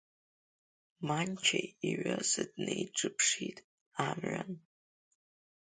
Манча иҩыза днеиҿыԥшит амҩан.